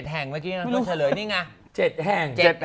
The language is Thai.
๗แห่งเมื่อกี้มันชะลือนี่ไง